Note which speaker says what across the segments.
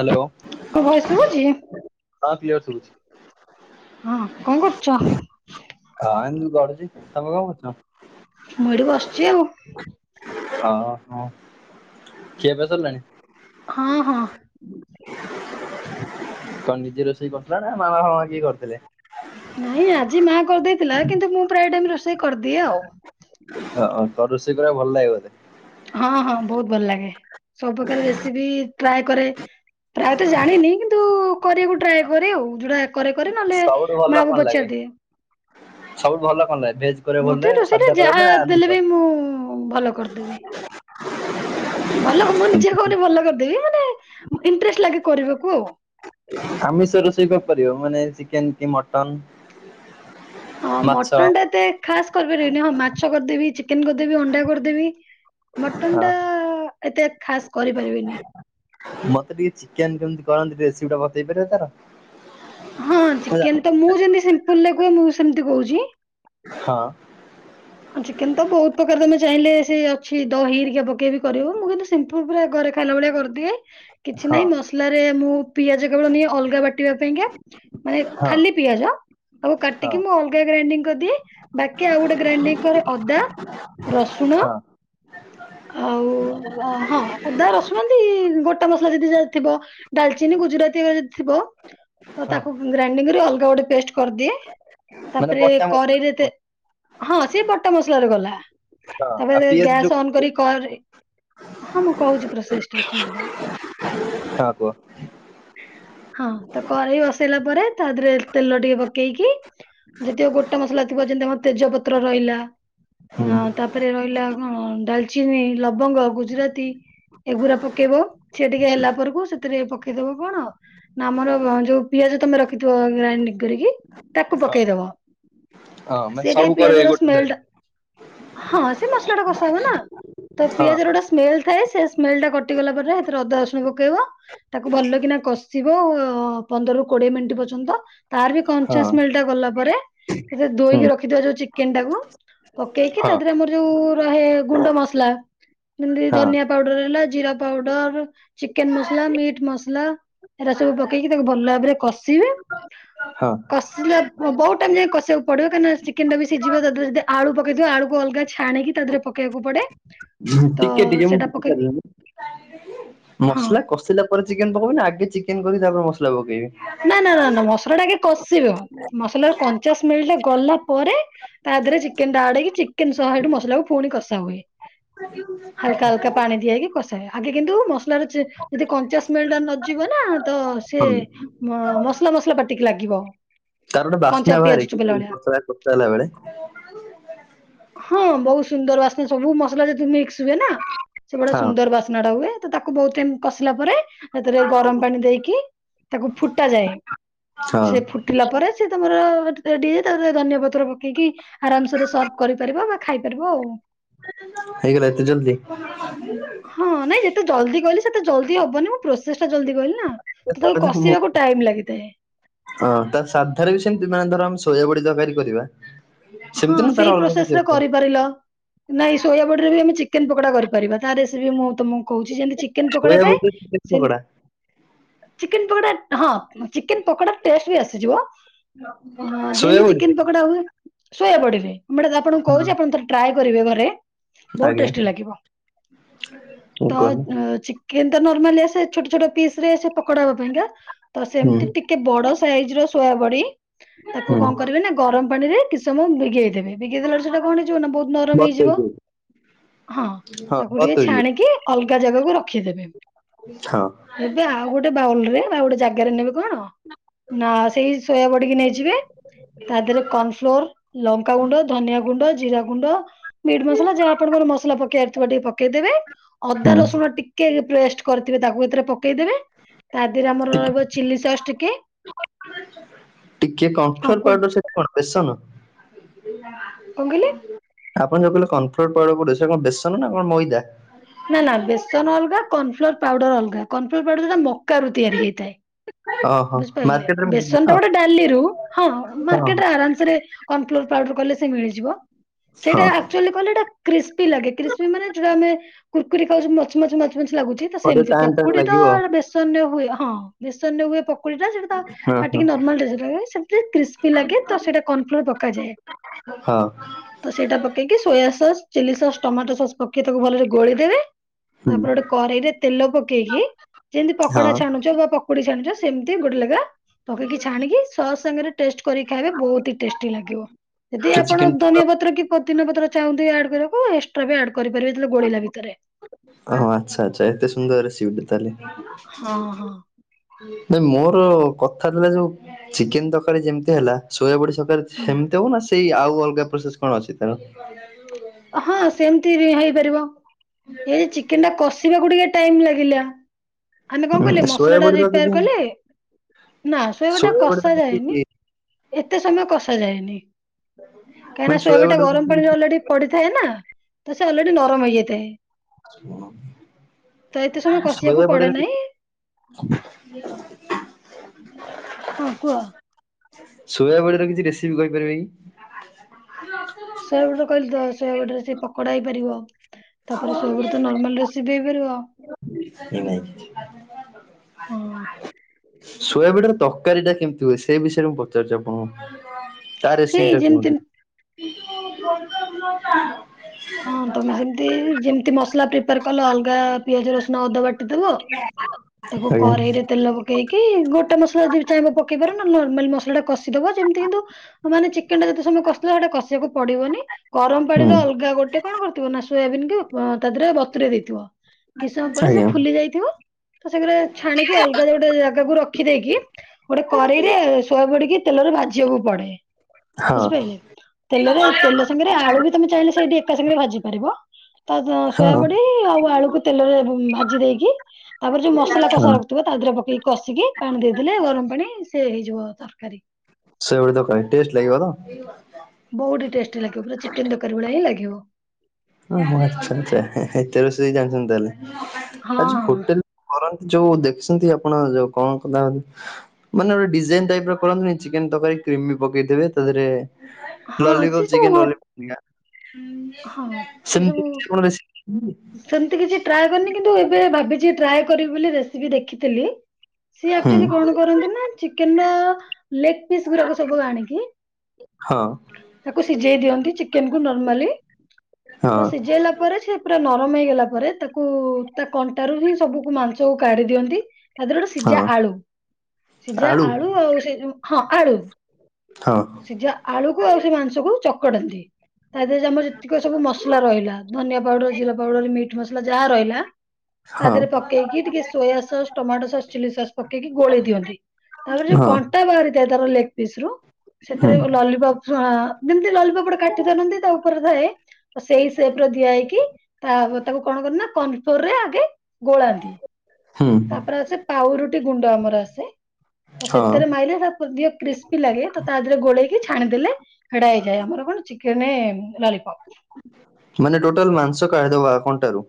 Speaker 1: Hello
Speaker 2: ମୋ voice ଶୁଭୁଛି?
Speaker 1: ହଁ କ୍ଲିଅର୍
Speaker 2: ହଁ କଣ କରୁଛ?
Speaker 1: ଶୁଭୁଚି। ଆ-ଏମିତି ଗଡୁଚି। ତମେ କଣ କରୁଚ?
Speaker 2: ମୁଁ ଏଠି ବସିଚି ଆଉ।
Speaker 1: ଓ- ହଁ। ଖିଆ ପିଆ ସରିଲାଣି?
Speaker 2: ହଁ ହଁ
Speaker 1: କଣ ନିଜେ ରୋଷେଇ କରିଥିଲା ନା ମାମା ଫାମା କିଏ କରିଥିଲେ?
Speaker 2: ନାହିଁ ଆଜି ମା କରିଦେଇଥିଲା କିନ୍ତୁ ମୁଁ ପ୍ରାୟ ଟାଇମ୍ ରୋଷେଇ କରିଦିଏ ଆଉ।
Speaker 1: ହଁ [unintelligible] ରୋଷେଇ କରିବାକୁ ଭଲ ଲାଗେ ବୋଧେ।
Speaker 2: ହଁ ହଁ ବହୁତ ଭଲ ଲାଗେ। ସବୁପ୍ରକାର ରେସିପି ଟ୍ରାଏ କରେ ପ୍ରାୟତଃ ଜାଣିନି କିନ୍ତୁ କରିବାକୁ ଟ୍ରାଏ କରେ ଆଉ ଯୋଉଟା କରେ କରେ ନହେଲେ
Speaker 1: ସବୁଠୁ ଭଲ
Speaker 2: ମାଁ କୁ
Speaker 1: କଣ ଲାଗେ?
Speaker 2: ପଚାରିଦିଏ।
Speaker 1: ସବୁଠୁ ଭଲ କଣ ଲାଗେ ଭେଜ କରିବାକୁ ଭଲ
Speaker 2: ମତେ
Speaker 1: ଲାଗେ
Speaker 2: ରୋଷେଇରେ
Speaker 1: ସାଧା କରିବାକୁ ନା
Speaker 2: ଯାହା
Speaker 1: ଆମିଷ?
Speaker 2: ଦେଲେ ବି ମୁଁ ଭଲ କରିଦେବି।
Speaker 1: [inaudible]
Speaker 2: ଭଲ ମୁଁ ନିଜେ କହୁନି ଭଲ କରିଦେବି ମାନେ ଇଣ୍ଟରେଷ୍ଟ ଲାଗେ କରିବାକୁ ଆଉ।
Speaker 1: ଆମିଷ ରୋଷେଇ କଣ ପାରିବ ମାନେ ଚିକେନ କି ମଟନ?
Speaker 2: ହଁ
Speaker 1: ମାଛ?
Speaker 2: ମଟନ୍ ଟା ଏତେ ଖାସ୍ କରିପାରିବନି ହଁ ମାଛ କରିଦେବି ଚିକେନ କରିଦେବି ଅଣ୍ଡା କରିଦେବି। ମଟନ
Speaker 1: ହଁ
Speaker 2: ଟା ଏତେ ଖାସ୍ କରି ପାରିବିନି।
Speaker 1: ମତେ ଟିକେ ଚିକେନ କେମିତି କରନ୍ତି ରେସିପି ଟା ବତେଇ ପାରିବ ତାର।
Speaker 2: ହଁ
Speaker 1: ମୁଁ
Speaker 2: ଚିକେନ ତ
Speaker 1: ଜାଣିନି।
Speaker 2: ମୁଁ ଯେମିତି ସିମ୍ପଲ ରେ କୁହେ ମୁଁ ସେମତି କହୁଛି।
Speaker 1: ହଁ!
Speaker 2: ହଁ ଚିକେନ ତ ବହୁତ ପ୍ରକାର ତମେ ଚାହିଁଲେ ସେ ଅଛି ଦହି ହେରିକା ପକେଇ ବି କରିବ ହେବ ମୁଁ କିନ୍ତୁ ସିମ୍ପୁଲ ପୁରା ଘରେ ଖାଇଲା ଭଳିଆ କରିଦିଏ। କିଛି
Speaker 1: ହଁ
Speaker 2: ନାହିଁ ମସ ମସଲାରେ ମୁଁ ପିଆଜ କେବଳ ନିଏ ଅଲଗା ବାଟିବା ପାଇଁକା। ମାନେ
Speaker 1: ହଁ
Speaker 2: ଖାଲି ପିଆଜ ଆଉ
Speaker 1: ହଁ
Speaker 2: କାଟିକି ମୁଁ ଅଲଗା ଗ୍ରାଇଣ୍ଡିଙ୍ଗ କରିଦିଏ ବାକି ଆଉ ଗୋଟେ ଗ୍ରାଇଣ୍ଡିଙ୍ଗ ରେ ଅଦା, ରସୁଣ
Speaker 1: ହଁ
Speaker 2: ଆଉ ହଁ ଅଦା ରସୁଣ ଏନ୍ତି ଗୋଟା ମସଲା ଯଦି ଯାହର ଥିବ। ଡାଲଚିନି ଗୁଜୁରାତିରେ ଯଦି ଥିବ ତ
Speaker 1: ହଁ
Speaker 2: ତାକୁ ଗ୍ରାଇଣ୍ଡିଙ୍ଗ ରେ ଅଲଗା ଗୋଟେ ପେଷ୍ଟ କରିଦିଏ
Speaker 1: ମାନେ
Speaker 2: ତାପରେ
Speaker 1: ବଟା ମସଲା
Speaker 2: କରେଇରେ ତେ ହଁ ସେ ବଟା ମସଲାରେ ଗଲା।
Speaker 1: ହଁ ଆଉ
Speaker 2: ତାପରେ
Speaker 1: ପିଆଜ
Speaker 2: ଗ୍ୟାସ
Speaker 1: ଯୋଉ
Speaker 2: ଅନ୍ କରି ହଁ ମୁଁ କହୁଛି ପ୍ରୋସେସ ଟା ସୁନ ତ?
Speaker 1: ହ [unintelligible]
Speaker 2: ହଁ ତ କରେଇ ବସେଇଲା ପରେ ତା ଦେହରେ ତେଲ ଟିକେ ପକେଇକି ଯେତିକ ଗୋଟା ମସଲା ଥିବ ଯେମିତି ଆମର ତେଜପତ୍ର ରହିଲା।
Speaker 1: ହୁଁ।
Speaker 2: ହ ତାପରେ ରହିଲା କଣ ଡାଲଚିନି, ଲବଙ୍ଗ, ଗୁଜୁରାତି ଏଗୁରା ପକେଇବ ସି ଟିକେ ହେଲା ପରକୁ ସେଥିରେ ପକେଇଦବ କଣ? ନା ଆମର ଯୋଉ ପିଆଜ ତମେ ରଖିଥିବ ଗ୍ରାଇଡିଂ କରିକି ତାକୁ
Speaker 1: ହଁ
Speaker 2: ପକେଇଦବ।
Speaker 1: ହଁ ମାନେ
Speaker 2: ସେ ଟିକେ
Speaker 1: ସବୁ କରେ
Speaker 2: ପିଆଜ ର
Speaker 1: ଗୋଟେ
Speaker 2: ସ୍ମେଲଟା ହଁ ସେ ମସଲା ଟା କଷା ହୁଏ ନା। ତ
Speaker 1: ହଁ
Speaker 2: ପିଆଜର
Speaker 1: ହଁ
Speaker 2: ଗୋଟେ ସ୍ମେଲ ଥାଏ ସେ ସ୍ମଲ ଟା କଟିଗଲା ପରେ ଏଥିରେ ଅଦା ର ପକେଇବ ତାକୁ ଭଲ କିନା କଷିବ ପନ୍ଦରରୁୁ କୋଡିଏ ମିନିଟ୍ ପର୍ଯ୍ୟନ୍ତ। ତାର ବି
Speaker 1: ହଁ
Speaker 2: ପଞ୍ଚା ସ୍ମେଲ ଟା ଗଲା ପରେ ସେ
Speaker 1: ହୁଁ
Speaker 2: ଦୋଇକି ରଖିଥଥିବା ଯୋଉ ଚିକେନ ଟାକୁ ପକେଇକି
Speaker 1: ହଁ।
Speaker 2: ତା ଦେହରେ ଆମର ଯୋଉ ରହେ ଗୁଣ୍ଡ ମସଲା ଯେମିତି
Speaker 1: ହଁ
Speaker 2: ଧନିଆ ପାଉଡର ହେଲା ଜିରା ପାଉଡର, ଚିକେନ ମସଲା, ମିଟ୍ ମସଲା। ଏଟା ସବୁ ପକେଇକି ତାକୁ ଭଲ ଭାବରେ କଷିବେ
Speaker 1: ହଁ
Speaker 2: କଷିଲେ ବହୁତ ଟାଇମ ଯାଏ କସିବାକୁ ପଦିବ କାହିଁକିନା ଚିକେନ ଟା ବି ସିଝିବ ତା ଦେହରେ ଯଦି ଆଳୁ ପକେଇଥିବ ଆଳୁକୁ ଅଲଗା ଛଣିକି ତା ଦେହରେ [unintelligible] ପଡେ। ତ
Speaker 1: ଟିକେ ଟିକେ ମୁଁ
Speaker 2: ସେଇଟା ପକେଇକି
Speaker 1: ବୁଝିପାରିଲିନି
Speaker 2: ହଁ
Speaker 1: ମସଲା କଷିଲା ପରେ ଚିକେନ ପକେଇବି ନା ଆଗେ ଚିକେନ କରି ତାପରେ ମସଲା ପକେଇବି?
Speaker 2: ନା ନା ନା ନା ମସଲା ଟା ଆଗେ କଷିବ। ମସଲା ର କଞ୍ଚା ସ୍ମଲ ଟା ଗଲା ପରେ ତା ଦେହରେ ଚିକେନ ଟା ଆଡେଇକି ଚିକେନ ସହ ଏଠୁ ମସଲା କୁ ପୁଣି କଷା ହୁଏ। ହାଲକା ହାଲକା ପାଣି ଦିଆଇକି କଷାଏ ଆଗେ କିନ୍ତୁ ମସଲାର ଯଦି କଞ୍ଚା ସ୍ମଲ ଟା ନଯିବ ନା ତ ସିଏ
Speaker 1: ହଁ
Speaker 2: ମସଲା ମସଲା ପାଟିକି ଲାଗିବ।
Speaker 1: ତାର ଗୋଟେ
Speaker 2: କଞ୍ଚା
Speaker 1: ବାସ୍ନା
Speaker 2: ପିଆଜ
Speaker 1: ବାହାରେ
Speaker 2: ଚୋବେଇଲା
Speaker 1: କି
Speaker 2: ଭଳିଆ।
Speaker 1: ମସଲା କସା ହେଲା ବେଳେ।
Speaker 2: ହଁ ବହୁତ ସୁନ୍ଦର ବାସନା ସବୁ ମସଲା ଯଦି ମିକ୍ସ ହୁଏ ନା। ସେ ବଢିଆ
Speaker 1: ହଁ
Speaker 2: ସୁନ୍ଦର ବାସ୍ନା ଟା ହୁଏ ତ ତାକୁ ବହୁତ ଟାଇମ କସିଲା ପରେ ସେଥିରେ ଗରମ ପାଣି ଦେଇକି ଫୁଟାଯାଏ,
Speaker 1: ହଁ
Speaker 2: ସେ ଫୁ ଟିଲା ପରେ ସେ ତମର ଟିକେ ତା ପରେ ଧନିଆ ପତ୍ର ପକେଇକି। ଆରାମସରେ ସର୍ଭ କରିପାରିବ ବା ଖାଇପାରିବ ଆଉ।
Speaker 1: ହେଇଗଲା ଏତେ ଜଲଦି?
Speaker 2: ହଁ ନାଇଁ ଯେତେ ଜଲଦି କହିଲି ସେତେ ଜଲଦି ହବନି, ମୁଁ ପ୍ରୋଶ ସେସଟା ଜଲ୍ଦି କହିଲି ନା ତ
Speaker 1: ତାହେଲେ
Speaker 2: ତାକୁ
Speaker 1: ମୁଁ-
Speaker 2: କସିବାକୁ ଟାଇମ ଲାଗିଥାଏ।
Speaker 1: ହଁ ତା ସାଧାରେ ବି ସେମିତି ନା ଧର ସୋଇୟା ବଡି ତରକାରୀ କରିବା।
Speaker 2: ହଁ
Speaker 1: ସେମିତି ନା ତାର
Speaker 2: ସେଇ
Speaker 1: ଅଲଗା କିଛି
Speaker 2: ପ୍ରୋସେସରେ
Speaker 1: ଅଛି
Speaker 2: କରିପାରିଲ। ନାଇଁ ସୋୟା ବଡ଼ିରେ ବି ଆମେ ଚିକେନ ପକୋଡା କରିପାରିବା, ତା ରେସିପି ମୁଁ ତମକୁ କହୁଛି ଯେମିତି ଚିକେନ ପକୋଡା
Speaker 1: ସୋୟା
Speaker 2: ଥାଏ,
Speaker 1: ବଡିରେ ଚିକେନ ପକୋଡା
Speaker 2: ସେମତି ଚିକେନ ପକୋଡା ହଁ ଚିକେନ ପକୋଡା ଟେଷ୍ଟ ବି ଆସିଯିବ। ହଁ
Speaker 1: ସୋୟା
Speaker 2: ଯେମତି
Speaker 1: ବଡିରେ
Speaker 2: ଚିକେନ ପକଡା ହୁଏ। ସୋୟୋ ବଡ଼ିରେ ମୁଁ ଆପଣଙ୍କୁ କହୁଛି ଆପଣ ଥରେ ଟ୍ରାଏ କରିବେ ଘରେ ବହୁତ
Speaker 1: ଆଜ୍ଞା
Speaker 2: ଟେଷ୍ଟି ଲାଗିବ। ତ
Speaker 1: କୁହନ୍ତୁ
Speaker 2: ଚିକେନ ତ ନର୍ମାଲି ଆସେ ଛୋଟ ଛୋଟ ପିସ ରେ ସେ ପକଡା ହେବା ପାଇଁକା। ତ
Speaker 1: ହୁଁ
Speaker 2: ସେମିତି ଟିକେ ବଡ ସାଇଜ ର ସୋୟା ବଡି
Speaker 1: ହୁଁ
Speaker 2: ତାକୁ କଣ କରିବେ ନା ଗରମ ପାଣି ରେ କିସ୍ ତ ମୁଁ ବିଗେଇ ଦେବେ ବିଗେଇଦେଲ ସେଟା କଣ ହେଇଯିବ ନା ବହୁତ ନରମ
Speaker 1: ବତୁରି
Speaker 2: ହେଇଯିବ।
Speaker 1: ଯିବ।
Speaker 2: ହଁ
Speaker 1: ହଁ
Speaker 2: ତାକୁ ଟିକେ
Speaker 1: ବତୁରି ଯିବ
Speaker 2: ଛାଣିକି ଅଲଗା ଜାଗାକୁ ରଖିଦେବେ।
Speaker 1: ହଁ।
Speaker 2: ଏବେ ଆଉ ଗୋଟେ ବାଉଲ ରେ ବା ଗୋଟେ ଜାଗାରେ ନେବେ କଣ? ନା ସେଇ ସୋୟା ବଡିକି ନେଇଯିବେ ତା ଦେରେ କର୍ଣ ଫ୍ଲୋର। ଲଙ୍କା ଗୁଣ୍ଡ, ଧନିଆ ଗୁଣ୍ଡ, ଜିରା ଗୁଣ୍ଡ, ମିଟ୍ ମସଲା। ଯାହା ଆପଣଙ୍କର ମସଲା ପକେଇବାର ଥିବ ଟିକେ ପକେଇଦେବେ,
Speaker 1: ହୁଁ
Speaker 2: ଅଦା ରସୁଣ ଟିକେ କେ ପେଷ୍ଟ କରିଥିବେ ତାକୁ ଏଥିରେ ପକେଇଦେବେ ତା ଦେହରେ ଆମର
Speaker 1: ଟି-
Speaker 2: ରହିବ ଚିଲି ସସ୍ ଟିକେ।
Speaker 1: ଟିକେ
Speaker 2: ହଁ
Speaker 1: କର୍ନଫ୍ଲୋର
Speaker 2: କୁହନ୍ତୁ
Speaker 1: ପାଉଡର ସେଟା କଣ ବେସନ?
Speaker 2: କଣ କହିଲେ?
Speaker 1: ଆପଣ ଯୋଉ କହିଲେ କର୍ନଫ୍ଲୋର୍ ପାଉଡର ପଡିବ ସେଟା କଣ ବେସନ ନା କଣ ମଇଦା?
Speaker 2: ନା ନା ବେସନ ଅଲଗା କର୍ନଫ୍ଲୋର ପାଉଡର ଅଲଗା କର୍ନଫ୍ଲୋର ପାଉଡର ଯୋଟା ମକା ରୁ ତିଆରି ହେଇଥାଏ।
Speaker 1: ଓହୋ
Speaker 2: ବୁଝିପାରିଲେ
Speaker 1: ମାର୍କେଟରେ ମିଳେ
Speaker 2: ବେସନ
Speaker 1: ତ
Speaker 2: ଟା ଗୋଟେ ଡାଲି ରୁ ହଁ
Speaker 1: ହଁ
Speaker 2: ମାର୍କେଟରେ ଆରାମ ସରେ କର୍ନଫ୍ଲୋର ପାଉଡର କହିଲେ ସେ ମିଳିଯିବ। ସେଇଟା
Speaker 1: ହଁ।
Speaker 2: ଆକ୍ଚୁଆଲି କହିଁଲେ ଏଟା କ୍ରିସ୍ପି ଲାଗେ କ୍ରିସ୍ପି ମାନେ ଯୋଟା ଆମେ କୁରକୁରୀ ଖାଉଛେ ମଚ ମଚ ମଚ ମଚ ଲାଗୁଛି ତ
Speaker 1: ବୋଧେ
Speaker 2: ସେମିତି
Speaker 1: ଟାଇମ୍ ଟାଇମ୍
Speaker 2: ପକୁଡି ତ
Speaker 1: ଲାଗିବ
Speaker 2: ବେସ ବେସନ ରେ ହୁଏ ହଁ ବେସନ ରେ ହୁଏ ପକ କୁଡ଼ିଟା ସେଟା ତ
Speaker 1: ହଁ ହଁ
Speaker 2: ପାଟିକି ନର୍ମାଲ ସେଟା ଲାଗେ ସେତ କ୍ରିସପି ଲାଗେ ତ ସେଇଟା କର୍ନଫ୍ଲୋର୍ ପକାଯାଏ।
Speaker 1: ହଁ।
Speaker 2: ତ ସେଇଟା ପକେଇକି soya sauce, chilli sauce, tomato sauce ପକେଇ ତାକୁ ଭଲରେ ଗୋଳିଦେବେ।
Speaker 1: ହୁଁ
Speaker 2: ତାପରେ ଗୋଟେ କରେଇରେ ତେଲ ପକେଇକି ଯେମିତି
Speaker 1: ହଁ।
Speaker 2: ପକୋଡା ଛାଣୁଚ ବା ପକୁଡି ଛାଣୁଚ। ସେମିତି ଗୋଟେ ଲେଖା ପକେଇକି ଛାଣିକି ସସ ସାଙ୍ଗରେ ଟେଷ୍ଟ କରିକି ଖାଇବେ ବହୁତି ଟେଷ୍ଟୀ ଲାଗିବ, ଯଦି
Speaker 1: ସେ
Speaker 2: ଆପଣ
Speaker 1: ଚିକେନ
Speaker 2: ଧନିଆ ପତ୍ର କି ପୋଦିନା ପତ୍ର ଚାହୁଁଥିବେ ଆଡ କରିବାକୁ ଏକ୍ସଟ୍ରା ବି ଆଡ କରିପାରିବେ ଗୋଳିଲା ଭିତରେ।
Speaker 1: ଓ ଆଚ୍ଛା ଆଚ୍ଛା ଏତେ ସୁନ୍ଦର ରେସିପିଟେ
Speaker 2: ହଁ
Speaker 1: ତାହେଲେ।
Speaker 2: ହଁ।
Speaker 1: ମୋର କଥା ଥିଲା ଯୋଉ ଚିକେନ ତରକାରୀ ଯେମିତି ହେଲା। ସୋୟାବଡି ସରକାରୀ
Speaker 2: ହୁଁ
Speaker 1: ସେମିତି ହବ ନା ସେଇ ଆଉ ଅଲଗା ପ୍ରୋସେସ କଣ ଅଛି ତାର?
Speaker 2: ହଁ ସେମିତି ହେଇପାରିବ ଏଇ ଯେ ଚିକେନ ଟା କସିବାକୁ ଟିକେ ଟାଇମ ଲାଗିଲା। ଆମେ କଣ
Speaker 1: ଉଁ,
Speaker 2: କଲେ ମସଲା ଟା
Speaker 1: ସୋୟାବଡିର
Speaker 2: ରିପେୟାର
Speaker 1: ଯଦି
Speaker 2: କଲେ, ନା ସୋୟାବଡ଼ି ଟା
Speaker 1: ସୋୟାବଡିର
Speaker 2: କଷା ଯାଏନି।
Speaker 1: କିଛି
Speaker 2: ଏତେ ସମୟ କଷା ଯାଏନି
Speaker 1: ମାନେ
Speaker 2: କାହିଁକିନା ସୋୟାବଡ଼ି
Speaker 1: ସୋୟାବଡିର
Speaker 2: ଗରମ ପାଣିରେ
Speaker 1: କିଛି
Speaker 2: ଅଲରେଡି ପଡିଥାଏ ନା ତ ସେ ଅଲରେଡି ନରମ ହେଇଯାଇଥାଏ। ତ ଏତେ ସମୟ କଷିବାକୁ ପଡେ
Speaker 1: ସୋୟାବଡି [inaudible]
Speaker 2: ନାହିଁ
Speaker 1: [inaudible]
Speaker 2: ହଁ କୁହ?
Speaker 1: ସୋୟାବଡି ର କିଛି ରେସିପି କହିପାରିବେ କି? [unintelligible]
Speaker 2: ସୋୟାବଡି କହିଲି ତ ସୋୟବଡିରେ ତ ସେ ପକୋଡା ହେଇପାରିବ। ତାପରେ ସୋୟବଡି ତ ନର୍ମାଲ ରେସିପି ବି ହେଇପାରିବ। ହଁ
Speaker 1: [unintelligible] ସୋୟାବଡି ର ତରକାରୀ ତ କେମତି ରୋଷେଇ ବିଷୟରେ ମୁଁ ପଚାରୁଛି ଆପଣଙ୍କୁ ତା ରେସିପି
Speaker 2: ସେଇ
Speaker 1: ଟା
Speaker 2: ଯେମିତି
Speaker 1: କୁହନ୍ତୁ? [unintelligible]
Speaker 2: ହଁ ତମେ ସେମତି ଯେମତି ମସଲା ପ୍ରିପାର କଲ ଅଲଗା ପିଆଜ ରସୁଣ ଅଦା ବାଟିଦବ ତାକୁ
Speaker 1: ଆଜ୍ଞା
Speaker 2: କରେଇରେ ତେଲ ପକେଇକି ଗୋଟେ ମସଲା ଯଦି ଚା ପକେଇ ପାରେ ନା ନର୍ମାଲ ମସଲା ଟା କ ସି ଦବା ସେମିତି କିନ୍ତୁ ମାନେ ଚିକେନ ଟା ଯେତେ ସମୟ କଷିଲ ସେଟା କ [unintelligible] ପଡିବନି ଗରମ
Speaker 1: ହୁଁ
Speaker 2: ପାଣିରେ ଅଲଗା ଗୋଟେ ଗୋଟେ କଣ କରିଥିବ ନା ସୋୟାବିନ କି ଆ ତ ଦିହରେ ବତୁୁରେଇ ଦେଇଥିବ କିଛି ସମୟ ପରେ ସେ
Speaker 1: ଆଜ୍ଞା
Speaker 2: ଫୁଲି ଯାଇଥିବ। ତ ସେରେ ଛାଣିକି ଅଲଗା ଗୋଟେ ଜାଗାକୁ ରଖିଦେଇକି ଗୋଟେ କରେଇରେ ସୋୟାବଡି କି ତେଲରେ ଭାଜିବାକୁ ପଡେ।
Speaker 1: ହଁ
Speaker 2: ବୁଝିପାରିଲେ ତେଲରେ ତେଲ ସାଙ୍ଗରେ ଆଳୁ ବି ତମେ ଚାହିଁଲେ ସେଇଠି ଏକା ସାଙ୍ଗରେ ଭାଜି ପାରିବ। ତା ଦ୍ୱା ସୋୟାବଡି ଆଉ ଆଳୁକୁ ତେଲରେ ଭୁ ଭାଜି ଦେଇକି ତାପରେ ଯୋଉ ମସଲା
Speaker 1: ହଁ।
Speaker 2: କସାର ଥୁବା ଦେହରେ ପକେଇକି କଷିକି ପାଣି ଦେଇଦଲେ ଗରମ ପାଣି ସେ ହେଇଯିବ ତରକାରୀ।
Speaker 1: ସୋୟାବଡି ତକାରୀ ଟେଷ୍ଟ ଲାଗିବ ତ?
Speaker 2: ବୋହୁତ ଟେଷ୍ଟ ଲାଗିବ ପୁରା ଚିକେନ ତକାରୀ ଭଳି ହିଁ ଲାଗିବ।
Speaker 1: ହଁଁ ଆଚ୍ଛା ଆଚ୍ଛା ହେତେ ରୋଷେଇ ଜାଣିଚନ୍ତି ତାହେଲେ
Speaker 2: ହଁ
Speaker 1: ଆଉ ଯୋଉ
Speaker 2: ହଁ
Speaker 1: ହୋଟେଲ କରନ୍ତି ଯୋଉ ଦେଖିସନ୍ତି ଆପଣ ଯୋଉ କଣ କଲା ବୋଲି ମାନେ ଗୋଟେ ଡିଜାଇନ ଟାଇପର କରନ୍ତିନି ଚିକେନ ତରକାରୀ କ୍ରିମି ପକେଇ ଦେବେ ତାଧେରେ
Speaker 2: ହଁ ସେ
Speaker 1: ଲଲିପପ୍
Speaker 2: ସବୁ
Speaker 1: ଚିକେନ
Speaker 2: ଗୋ-
Speaker 1: ଲଲିପପ୍ [unintelligible]
Speaker 2: ହଁ ସେ
Speaker 1: ସେମିତି
Speaker 2: ସବୁ
Speaker 1: କଣ [unintelligible]
Speaker 2: ସେମିତି କିଛି ଟ୍ରାଏ କରିନି କିନ୍ତୁ ଏବେ ଭାବିଚି ଟ୍ରାଏ କରିବି ବୋଲି ରେସିପି ଦେଖିଥେଲି। ସିଏ
Speaker 1: ହୁଁ
Speaker 2: ଆକ୍ଚୁଆଲି କଣ କରନ୍ତି ନା ଚିକେନର ଲେଗ ପିସ୍ ଗୁରାକ ସବୁ ଆଣିକି
Speaker 1: ହଁ।
Speaker 2: ତାକୁ ସିଜେଇ ଦିଅନ୍ତି ଚିକେନକୁ ନର୍ମାଲି।
Speaker 1: ହଁ
Speaker 2: ତ ସିଜେଇଲା ପରେ ସେ ପୁରା ନରମ ହେଇଗଲା ପରେ ତାକୁ ତା କଣ୍ଟାରୁ ହିଁ ସବୁକୁ ମାଂସକୁ କାଢି ଦିଅନ୍ତି ତା ଧିଅରେ ଗୋଟେ
Speaker 1: ହଁ।
Speaker 2: ସିଜା ଆଳୁ ସିଜା ଆଳୁ ଆଉ ସେ ଯୋଉ ହଁ ଆଳୁ
Speaker 1: ହଁ।
Speaker 2: ସିଜା ଆଳୁକୁ ଆଉ ସେ ମାଂସକୁ ଚକଡନ୍ତି ତା ଦେହରେ ଯାମର ତିକ ସବୁ ମସଲା ରହିଲା ଧନିଆ ପାଉଡର ଜିରା ପାଉଡର ମିଟ୍ ମସଲା ଯା ରହିଲା।
Speaker 1: ହଁ
Speaker 2: ତାଧେରେ ପକେଇକି ଟିକେ soya sauce tomato sauce chilli sauce ପକେଇକି ଗୋଳେଇ ଦିଅନ୍ତି।
Speaker 1: ହଁ।
Speaker 2: ଟା ବାହାରିଥାଏ ତାର ଲେଗ ପିସରୁ
Speaker 1: ହୁଁ
Speaker 2: ସେଥେରେ ଲଲିପପ୍ ହାଁ ଯେମିତି ଲଲି ଯୋଉ ପଟେ କାଠି ଧରନ୍ତି ତା ଉପରେ ଥାଏ। ତ ସେଇ ସେପର ଦିଆ ହେଇକି ତା ତାକୁ କଣ କରନ୍ତି ନା କର୍ଣ୍ଣଫ୍ଲୋରରେ ଆଗେ ଗୋଳାନ୍ତି।
Speaker 1: ହୁଁ।
Speaker 2: [unintelligible] ପାଉରୁଟି ଗୁଣ୍ଡ ଆମର ଆସେ ତ
Speaker 1: ହଁ
Speaker 2: ସେତେରେ ମାଇଲେ [unintelligible] ଧିକ କ୍ରିସ୍ ତି ଲାଗେ ତ ତାଧେରେ ଗୋଳେଇକି ଛାଣିଦଲେ ହେଟା ହେଇଯାଏ ଆମର କଣ ଚିକେନ ଲଲିପପ୍।
Speaker 1: ମାନେ ଟୋଟାଲ୍ ମାଂସ କାଢିଦବା କଣ୍ଟାରୁ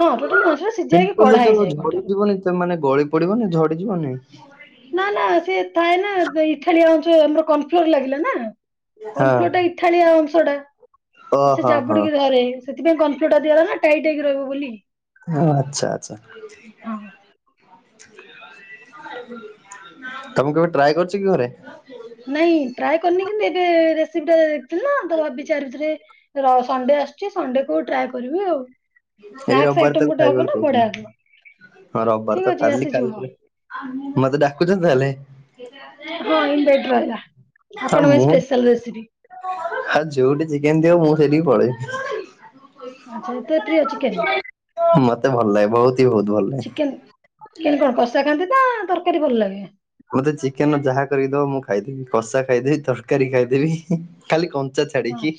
Speaker 2: ହଁ ଟୋଟାଲି ମାଂସଟା
Speaker 1: କୁମ୍ପିଲେ ଯୋଉ ଝଡି ଯିବନି ମାନେ ଗଳି ପଡିବନି ଝଡି ଯିବନି।
Speaker 2: ନା ନା ସିଏ ଥାଏ ନା ଇଠାଳିଆ ଅଂଶ ଆମର କର୍ଣ୍ଣଫ୍ଲୋର ଲାଗିଲା ନା
Speaker 1: ହଁ।
Speaker 2: କର୍ଣ୍ଣଫ୍ଲୋରଟା ଇ ଠାଳିଆ ଅଂଶଟା ତ ସେ
Speaker 1: ଓହୋ ହୋ
Speaker 2: ଜାବୁଡିକି ଧରେ। ସେଥିପାଇଁ କର୍ଣ୍ଣଫ୍ଲୋରଟା ଦିଆଗଲା ନା ଟାଇଟ୍ ହେଇିକି ରହିବ ବୋଲି।
Speaker 1: ହଁ ଆଚ୍ଛା ଆଚ୍ଛା।
Speaker 2: ହଁ
Speaker 1: ତମୁକୁ କେବେ ଟ୍ରାଏ କରିଚି କି ଘରେ।
Speaker 2: ନାଇଁ ଟ୍ରାଏ କରିନି କିନ୍ତୁ ଏବେ ରେସିପିଟା ଥିଲି ନା ତ ଭାବିଚି ଆରି ଭିତରେ ର ସଣ୍ଡେ ଆସ ଚି ସଣ୍ଡେ କୋଉ ଟ୍ରାଏ କରିବି ଆଉ।
Speaker 1: ଏଇ
Speaker 2: ସ୍ନାକ୍ସ
Speaker 1: ରବିବାର
Speaker 2: ଆଇଟମ
Speaker 1: ତାହେଲେ
Speaker 2: ଗୋଟେ ହବ
Speaker 1: ଫାଇନାଲ
Speaker 2: ନା ବଢିଆ ହବ
Speaker 1: କରୁଚନ୍ତି ହଁ ରବିବାର
Speaker 2: ଠିକ
Speaker 1: ତ
Speaker 2: ଅଛି
Speaker 1: କାଲି
Speaker 2: ଆସିଯିବ
Speaker 1: କାଲି ମତେ ଡାକୁଚ ତାହେଲେ।
Speaker 2: ହଁ ଇନଭାଇଟ୍ ରହିଲା
Speaker 1: ହଁ
Speaker 2: ଆପଣଙ୍କ
Speaker 1: ମୁଁ
Speaker 2: ସ୍ପେଶାଲ ରେସିପି।
Speaker 1: ଆଉ ଯୋଉଠି ଚିକେନ ଦିଅ ମୁଁ ସେଇଠିକି ପଳେଇବି।
Speaker 2: ଆଚ୍ଛା ଏତେ ପ୍ରିୟ ଚିକେନ
Speaker 1: ମତେ ଭଲ ଲାଗେ ବୋହୁତ ହି ବୋହୁତ ଭଲ ଲାଗେ। [inaudible]
Speaker 2: କେମିତି କଣ କଷା ଖାଆନ୍ତି ତା ତରକାରୀ ଭଲ ଲାଗେ?
Speaker 1: ମତେ ଚିକେନର ଯାହା କରିକି ଦବ ମୁଁ ଖାଇଦେବି। କଷା ଖାଇଦେବି ତରକାରୀ ଖାଇଦେବି। ଖାଲି କଞ୍ଚା ଛାଡିକି।
Speaker 2: ଆଚ୍ଛା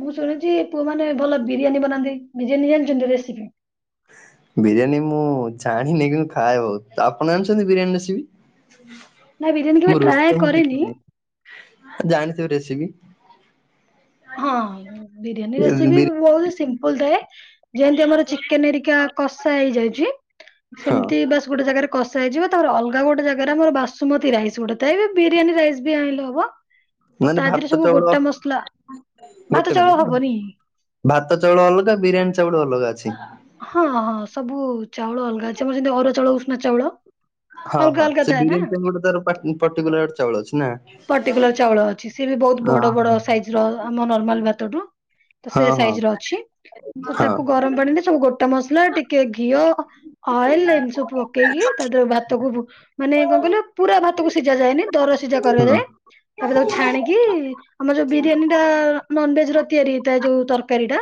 Speaker 2: ମୁଁ ଶୁଣୁଚି ପୁଅମାନେ ଭଲ ବିରିୟାନୀ ବନାନ୍ତି ବିରିୟାନୀ ଜାଣିଚନ୍ତି ରେସିପି।
Speaker 1: ବିରିୟାନୀ ମୁଁ ଜାଣିନି କିିନ୍ତୁ ମୁଁ ଖାଏ ବୋହୁତ ଆପଣ ଜାଣିଚନ୍ତି ବିରିୟାନୀ
Speaker 2: ନା ବିରିୟାନୀ
Speaker 1: ରେସିପି।
Speaker 2: କେବେ
Speaker 1: ମୁଁ
Speaker 2: ଟ୍ରାଏ
Speaker 1: ରୋଷେଇ ହିଁ
Speaker 2: କରିନି
Speaker 1: ଶିଖିନି ଜାଣିନି ଜାଣିଥିବେ ରେସିପି।
Speaker 2: ହଁ ବିରିୟାନୀ ରେସିପି
Speaker 1: ବିରି
Speaker 2: ବୋହୁତ ସିମ୍ପଲ୍ ଥାଏ। ଯେମିତି ଆମର ଚିକେନ ଏରିକା କଷା ହେଇଯାଇଛି।
Speaker 1: ହଁ
Speaker 2: ସେମିତି ବାସ୍ ଗୋଟେ ଜାଗାରେ କଷା ହେଇଯିବ। ତାର ଅଲଗା ଗୋଟେ ଜାଗାରେ ଆମର ବାସୁମତି ରା ଇସ୍ ଗୋଟେ ଏ ଏବେ ବିରିୟାନୀ ରାଇସ୍ ବି ଆଣିଲେ ହବ। ତ
Speaker 1: ମାନେ
Speaker 2: ତା ଦେହରେ
Speaker 1: ଭାତ
Speaker 2: ସବୁ
Speaker 1: ଚାଉଳ
Speaker 2: ଗୋଟା ମସଲା ଭାତ
Speaker 1: ଗୋଟେ
Speaker 2: ଚାଉଳ
Speaker 1: ମିନିଟ
Speaker 2: ହବନି
Speaker 1: ଭାତ ଚାଉଳ ଅଲଗା ବିରିୟାନୀ ଚାଉଳ ଅଲଗା ଅଛି।
Speaker 2: ହଁ ହଁ ସବୁ ଚାଉଳ ଅଲଗା ଅଛି। ଆମର ଯେମିତି ଅରୁଆ ଚାଉଳ ଉଷନା ଚାଉଳ।
Speaker 1: ହଁ
Speaker 2: ଅଲଗା
Speaker 1: ହଁ
Speaker 2: ଅଲଗା
Speaker 1: ସେ
Speaker 2: ଥାଏ
Speaker 1: ବିରିୟାନୀ ପାଇଁ
Speaker 2: ନା
Speaker 1: ଗୋଟେ ତାର ପର୍ଟିକୁଲାର ଚାଉଳ ଅଛି ନା।
Speaker 2: ପାର୍ଟିକୁଲାର ଚାଉଳ ଅଛି। ସିଏ ବି ବହୁତ
Speaker 1: ହଁ
Speaker 2: ବଡ ବଡ ସାଇଜ ର ଆମ ନର୍ମାଲ ଭାତଠୁ। ତ ସେ
Speaker 1: ହଁ
Speaker 2: ସାଇଜର ଅଛି। ତ
Speaker 1: ହଁ
Speaker 2: ତାକୁ ଗରମ ପାଣିରେ ସବୁ ଗୋଟା ମସଲା ଟିକେ ଘିଅ ଅଏଲ ଏମି ସବୁ ପକେଇଲି ତା ଭାତକୁ ମାନେ କଣ କିଲ ପୁରା ଭାତକୁ ସିଝା ଯାଏନି ଦର ସିଝା
Speaker 1: ହଁ
Speaker 2: କରାଯାଏ ତାପରେ ତାକୁ ଛାଣିକି ଆମର ଯୋଉ ବିରିୟାନୀ ଟା ନନଭେଜ ର ତିଆରି ହେଇଥାଏ ଯୋଉ ତରକାରୀ ଟା।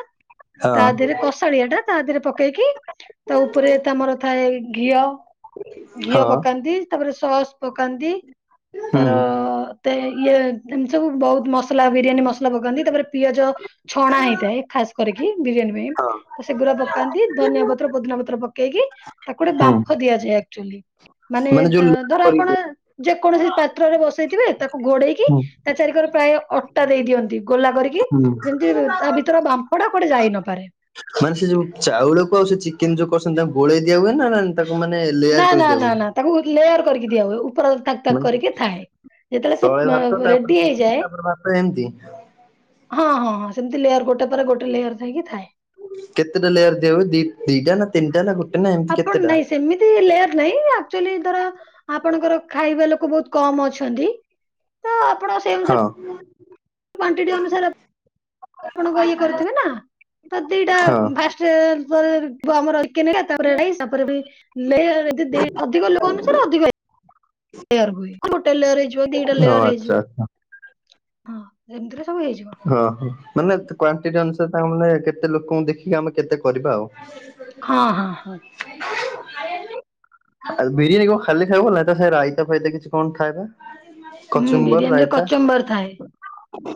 Speaker 1: ହଁ
Speaker 2: ତା ଦେହରେ କଷାଳିଆ ଟା ତା ଦେହରେ ପକେଇକି ତା ଉପରେ ତମର ଥାଏ ଘିଅ
Speaker 1: ହଁ
Speaker 2: ଘିଅ
Speaker 1: ହଁ
Speaker 2: ପକାନ୍ତି। ତାପରେ ସସ୍ ପକାନ୍ତି। ତାର
Speaker 1: ହୁଁ
Speaker 2: ଏତେ ଇଏ ଏମତି ସବୁ ବହୁତ ମସଲା ବିରିୟାନୀ ମସଲା ପଗନ୍ତି ତାପରେ ପିଆଜ ଛଣା ହେଇଥାଏ ଖାସ କରିକ ବିରିୟାନୀ ପାଇଁ
Speaker 1: ହଁ
Speaker 2: ତ ସେଗୁଡା ପକାନ୍ତି। ଧନିଆ ପତ୍ର ପୋଦିନା ପତ୍ର ପକେଇକି ତାକୁ ଗୋଟେ
Speaker 1: ହୁଁ
Speaker 2: ବାମ୍ଫ ଦିଆଯାଏ ଆକ୍ଚୁଆଲି ମାନେ
Speaker 1: ଯୋଉ ଲୋ
Speaker 2: ଧର
Speaker 1: କରିକି
Speaker 2: ଆପଣ ଯେକୌଣସି ପାତ୍ରରେ ବସେଇଥିବେ ତାକୁ ଘୋଡେଇକି
Speaker 1: ହୁଁ
Speaker 2: ତା ଚାରିିକରେ ପ୍ରାୟ ଅଟା ଦେଇ ଦିଅନ୍ତି। ଗୋଲା କରିକି
Speaker 1: ହୁଁ
Speaker 2: ଯେମିତି ତା ଭିତର ବାମ୍ପଡା କୁଆଡେ ଯାଇ ନପାରେ।
Speaker 1: ମାନେ ସେ ଯୋଉ ଚାଉଳକୁ ଆଉ ସେ ଚିକେନ ଯୋଉ କରଛନ୍ତି ତାଙ୍କୁ ଗୋଳେଇ ଦିଆ ହୁଏ ନା। ତାକୁ ମାନେ
Speaker 2: ନା
Speaker 1: ଲେୟାର କରି
Speaker 2: ନା
Speaker 1: ଦିଆ
Speaker 2: ନା
Speaker 1: ହୁଏ?
Speaker 2: ନା ତାକୁ ଲେୟାର କରିକି ଦିଆ ହୁଏ। ଉପର ତାକ ତାକ
Speaker 1: ମାନେ
Speaker 2: କରିକି ଥାଏ। ଯେତେବେଳେ
Speaker 1: ତଳେ ଭାତ
Speaker 2: ସେ
Speaker 1: ତାପରେ
Speaker 2: ରେଡି
Speaker 1: ଚିକେନ
Speaker 2: ହେଇଯାଏ
Speaker 1: ତାପରେ ଭାତ ଏମିତି
Speaker 2: ହଁ ହଁ ହଁ ସେମିତି ଲେୟର ଗୋଟେ ପରେ ଗୋଟେ ଲେୟର ହେକିଥାଏ।
Speaker 1: କେତେଟା ଲେୟାର ଦିଆ ହୁଏ ଦି ଦିଟା ନା ତିନିଟା ନା ଗୋଟେ ନା ଏମ
Speaker 2: ଆପଣ ନାଇଁ ସେମିତି ଏମ କେୟାର ନାଇଁ ଆଚୁଲି ଧର ଆପଣଙ୍କର ଖାଇବା ଲୋକ ବହୁତ କମ ଅଛନ୍ତି। ତ ଆପଣ ସେ
Speaker 1: ହଁ
Speaker 2: କ୍ୱଟିଟି ଅନୁସାରେ ଆପଣଙ୍କ ଇଏ କରୁଥିବେ ନା। ତ ଦିଟା
Speaker 1: ହଁ
Speaker 2: ଫାଷ୍ଟ ଆମର କି ତାପରେ ତା ଅଧିକ ଲୋକ ଅନୁସାରେ ଅଧିକ ଲେୟ ହୁଏ ଗୋଟେ ଲେୟ ହେଇିବ ଦିଟା
Speaker 1: ହଁ
Speaker 2: ଲେୟର
Speaker 1: ଆଚ୍ଛା
Speaker 2: ହେଇଯିବ।
Speaker 1: ଆଚ୍ଛା।
Speaker 2: ହଁ ଯେମିତିରେ ସବୁ ହେଇଯିବ।
Speaker 1: ହଁ ହଁ ମାନେ କ୍ଵାଣ୍ଟି ଅନୁସାରେ ତାଙ୍କ ମାନେ କେତେ ଲୋକଙ୍କୁ ଦେଖିକି ଆମେ କେତେ କରିବା ଆଉ।
Speaker 2: ହଁ ହଁ ହଁ।
Speaker 1: [inaudible] ଆଉ ବିରିୟାନୀ କଣ ଖାଲି ଖାଇବ ଆଇତା ଫାଇତା କିଛି କଣ ଖାଇଏବ।
Speaker 2: ହୁଁ
Speaker 1: କଚୁମ୍ବର
Speaker 2: ବିରିୟାନୀରେ
Speaker 1: ରାଇତା।
Speaker 2: କଚମ୍ବର ଥାଏ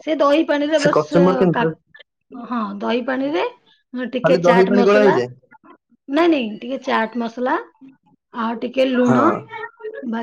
Speaker 2: ସେ ଦହି ପାଣିରେ
Speaker 1: ସେ
Speaker 2: ବସ୍
Speaker 1: କଚୁମ୍ବର କେମିତି
Speaker 2: ହଁ ଦହି ପାଣିରେ ଟିକେ
Speaker 1: ଖାଲି ଦହି
Speaker 2: ଚାଟ
Speaker 1: ପାଣି ଗୋଳା
Speaker 2: ମସଲା
Speaker 1: ହେଇଯାଏ?
Speaker 2: ନାଇଁ ନାଇଁ ଟିକେ ଚାଟ ମସଲା ଆଉ ଟିକେ ଲୁଣ
Speaker 1: ହଁ
Speaker 2: ବାକି